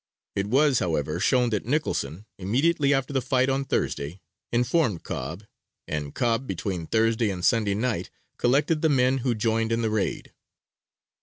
It was, however, shown that Nicholson, immediately after the fight on Thursday, informed Cobb, and Cobb between Thursday and Sunday night collected the men who joined in the raid.